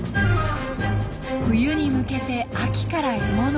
冬に向けて秋から獲物を蓄える。